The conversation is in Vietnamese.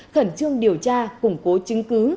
khẩn trương điều tra củng cố chứng cứ